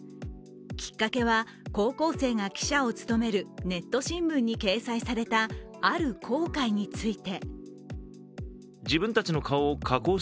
きっかけは、高校生が記者を務めるネット新聞に掲載されたある後悔について。